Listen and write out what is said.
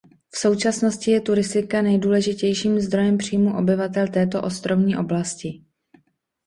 V současnosti je turistika nejdůležitějším zdrojem příjmů obyvatel této ostrovní oblasti.